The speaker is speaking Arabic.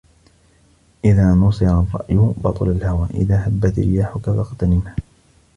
إذا نُصِرَ الرأي بطل الهوى إذا هَبَّتْ رياحك فاغتنمها